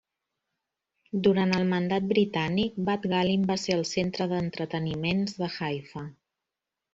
Durant el Mandat Britànic, Bat Galim va ser el centre d'entreteniments de Haifa.